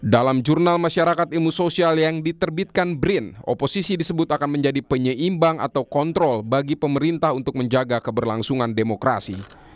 dalam jurnal masyarakat ilmu sosial yang diterbitkan brin oposisi disebut akan menjadi penyeimbang atau kontrol bagi pemerintah untuk menjaga keberlangsungan demokrasi